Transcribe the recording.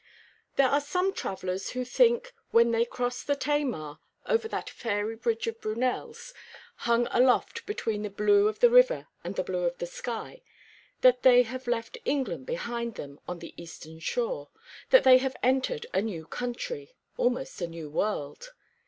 There are some travellers who think when they cross the Tamar, over that fairy bridge of Brunel's, hung aloft between the blue of the river and the blue of the sky, that they have left England behind them on the eastern shore that they have entered a new country, almost a new world.